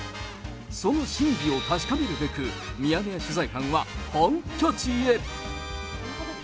その真偽を確かめるべく、ミヤネ屋取材班は本拠地へ。